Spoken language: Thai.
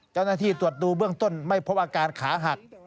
เจ้าหน้าที่ตรวจดูเบื้องต้นไม่พบอาการขาหัก